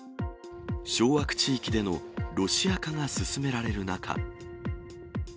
掌握地域でのロシア化が進められる中。